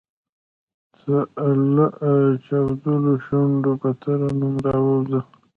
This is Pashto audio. تۀ لۀ چاودلو شونډو پۀ ترنم راووځه !